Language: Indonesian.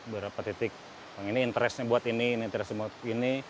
beberapa titik yang ini interesnya buat ini ini interesnya buat ini